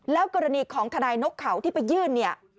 แล้วกรณีของทนายนกเขาที่ไปยื่นเนี่ย